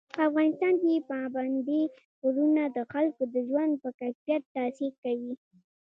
په افغانستان کې پابندی غرونه د خلکو د ژوند په کیفیت تاثیر کوي.